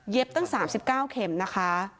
เย็บตั้ง๓๙เข็มนะคะ